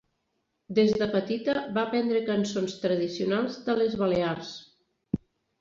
Des de petita va aprendre cançons tradicionals de les Balears.